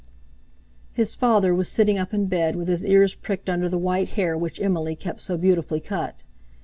His father was sitting up in bed, with his ears pricked under the white hair which Emily kept so beautifully cut.